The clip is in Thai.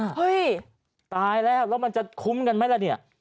เฮ้ยตายแล้วแล้วมันจะคุ้มกันไหมล่ะเนี่ย